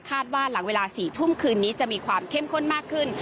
หลังเวลา๔ทุ่มคืนนี้จะมีความเข้มข้นมากขึ้น